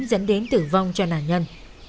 dẫn đến tử vong cho nạn nhân